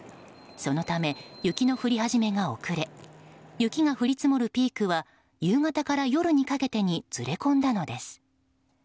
そのため、雪の降り始めが遅れ雪が降り積もるピークは夕方から夜にかけてにずれ込んだのです。